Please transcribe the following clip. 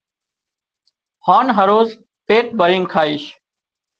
هانَ هروز پيٽ ڀرينَ کائيش